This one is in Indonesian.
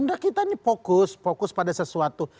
oh kita fokus fokus pada sesuatu